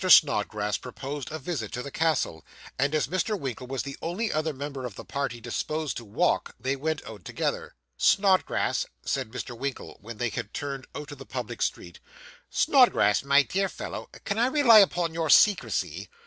Snodgrass proposed a visit to the castle, and as Mr. Winkle was the only other member of the party disposed to walk, they went out together. 'Snodgrass,' said Mr. Winkle, when they had turned out of the public street.'Snodgrass, my dear fellow, can I rely upon your secrecy?